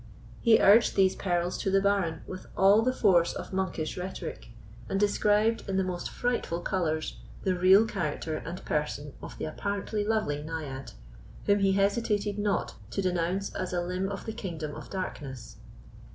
He urged these perils to the Baron with all the force of monkish rhetoric, and described, in the most frightful colours, the real character and person of the apparently lovely Naiad, whom he hesitated not to denounce as a limb of the kingdom of darkness.